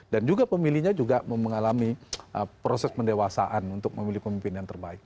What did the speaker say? dan juga pemilihnya juga mengalami proses mendewasaan untuk memiliki pemimpinan terbaik